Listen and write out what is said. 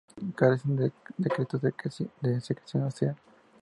Carecen de secreción ósea.